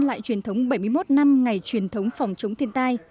trong kỳ truyền thống bảy mươi một năm ngày truyền thống phòng chống thiên tai